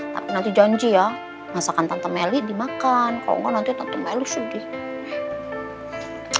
tapi nanti janji ya masakan tante merry dimakan kalau enggak nanti tante merry sedih